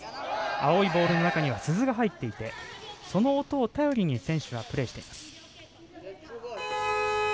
青いボールの中には鈴が入っていてその音を頼りに選手はプレーしています。